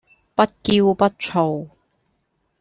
不驕不躁